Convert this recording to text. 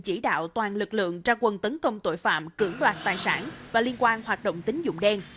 chỉ đạo toàn lực lượng tra quân tấn công tội phạm cử loạt tài sản và liên quan hoạt động tính dụng đen